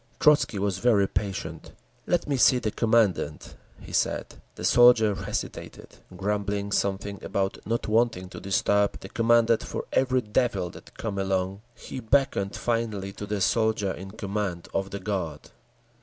Trotzky was very patient. "Let me see the Commandant," he said. The soldier hesitated, grumbling something about not wanting to disturb the Commandant for every devil that came along. He beckoned finally to the soldier in command of the guard.